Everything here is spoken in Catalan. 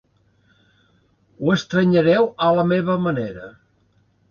Ho estrenyereu a la meva manera.